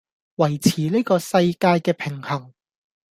維持呢個世界既平衡